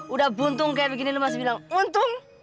udah buntung kayak begini lu masih bilang untung